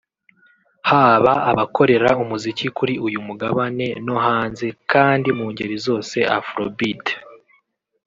haba abakorera umuziki kuri uyu Mugabane no hanze kandi mu ngeri zose Afrobeat